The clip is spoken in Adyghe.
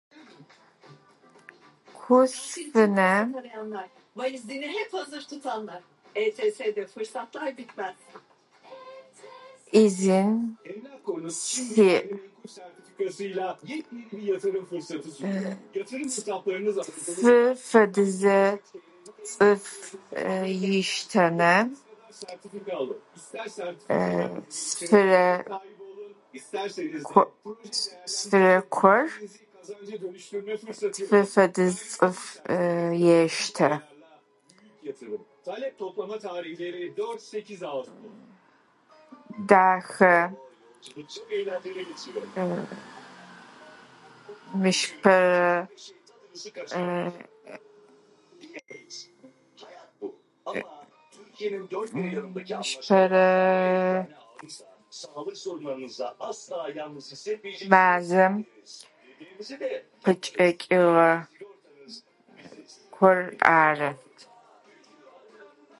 Ку сфынэ ӏизын сиӏ. Тфы фэдизэ цӏыф ыштэмэ, сфырэ кур, тфы фэдиз цӏыф ештэ. Дахэ, мыщ ыпэрэ мыщ ыпэрэ мазэм къыкӏэкӏьыгъэ кур ары.